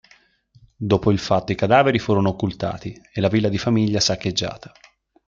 Dopo il fatto i cadaveri furono occultati e la villa di famiglia saccheggiata.